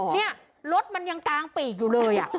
เนี้ยรถมันยังกางปีกอยู่เลยอ่ะ